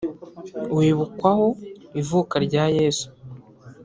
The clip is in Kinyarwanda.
wibukwaho ivuka rya Yezu